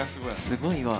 すごいわ。